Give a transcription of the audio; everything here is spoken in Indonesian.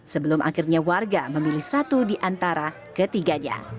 sebelum akhirnya warga memilih satu diantara ketiganya